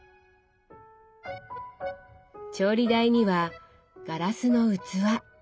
調理台にはガラスの器。